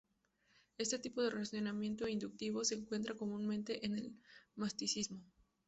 Este tipo de razonamiento inductivo se encuentra comúnmente en el misticismo.